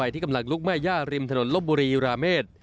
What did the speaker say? ที่กำลังลุกแม่ย่าริมถนนลบบุรีราเมษ